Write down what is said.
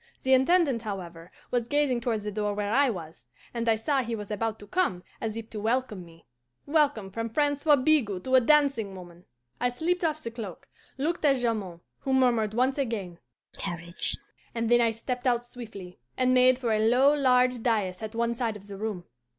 The Intendant, however, was gazing towards the door where I was, and I saw he was about to come, as if to welcome me. Welcome from Francois Bigot to a dancing woman! I slipped off the cloak, looked at Jamond, who murmured once again, 'Courage,' and then I stepped out swiftly, and made for a low, large dais at one side of the room.